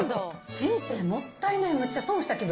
人生もったいない、めっちゃ損した気分。